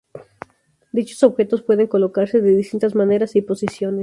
Dichos objetos pueden colocarse de distintas maneras y posiciones.